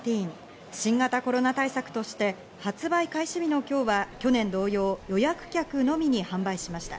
新型コロナ対策として発売開始日の今日は去年同様、予約客のみに販売しました。